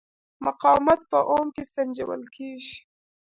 مقاومت په اوم کې سنجول کېږي.